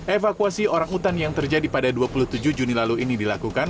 evakuasi orang utan yang terjadi pada dua puluh tujuh juni lalu ini dilakukan